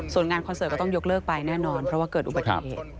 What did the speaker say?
ส่วนงานคอนเสิร์ตก็ต้องยกเลิกไปแน่นอนเพราะว่าเกิดอุบัติเหตุ